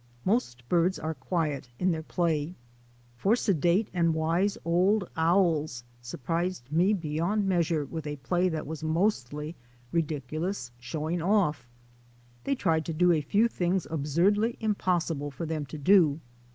Most birds are quiet in their play. Four sedate and wise old owls surprised me be yond measure with a play that was mostly ridicu lous showing off. They tried to do a few things absurdly impossible for them to do.